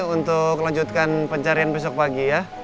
untuk lanjutkan pencarian besok pagi ya